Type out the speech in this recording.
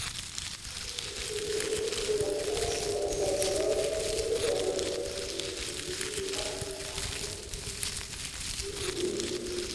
utoto wake wakati wazazi wake walipokimbilia pamoja naye Misri kwa